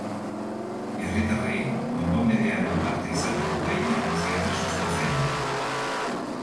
Herritarrei konponbidearen parte izateko deia egin zieten sustatzaileek.